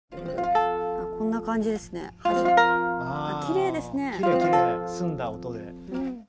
こんな感じですね。